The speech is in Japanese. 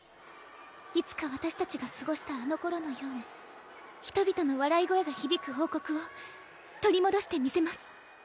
いつか私たちが過ごしたあのころのような人々の笑い声が響く王国を取り戻してみせます。